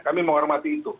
kami menghormati itu